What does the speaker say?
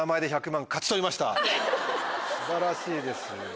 素晴らしいです。